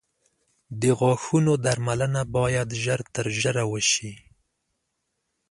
• د غاښونو درملنه باید ژر تر ژره وشي.